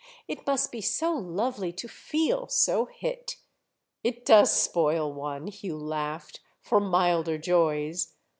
"It must be so lovely to feel so hit!" "It does spoil one," Hugh laughed, "for milder joys.